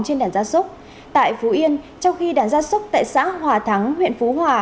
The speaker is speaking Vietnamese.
trên đàn gia súc tại phú yên trong khi đàn gia súc tại xã hòa thắng huyện phú hòa